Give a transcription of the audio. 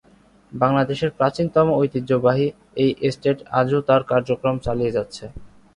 বাংলাদেশের প্রাচীনতম ঐতিহ্যবাহী এই এস্টেট আজও তার কার্যক্রম চালিয়ে যাচ্ছে।